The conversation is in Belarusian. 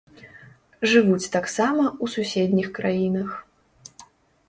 Жывуць таксама ў суседніх краінах.